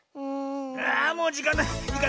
あもうじかんない。